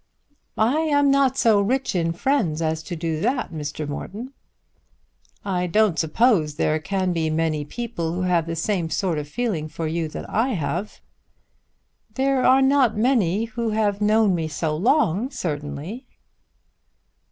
"I am not so rich in friends as to do that, Mr. Morton." "I don't suppose there can be many people who have the same sort of feeling for you that I have." "There are not many who have known me so long, certainly."